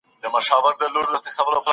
چي د پېزوان او د نتکۍ خبره ورانه سوله